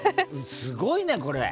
すごいねこれ。